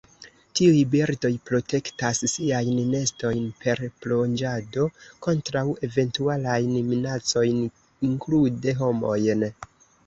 Tiuj birdoj protektas siajn nestojn per plonĝado kontraŭ eventualajn minacojn, inklude homojn.